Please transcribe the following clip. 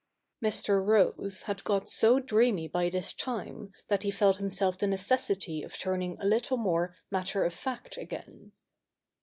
T90 THE NEW REPUBLIC [r.K. iv Mr. Rose had got so dreamy by this time that he felt himself the necessity of turning a little more matter of fact again.